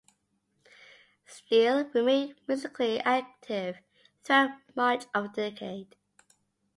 Steele remained musically active throughout much of the decade.